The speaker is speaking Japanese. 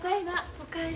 お帰り。